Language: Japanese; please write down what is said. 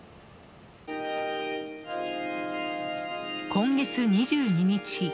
今月２２日。